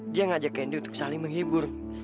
dia ngajak kendi untuk saling menghibur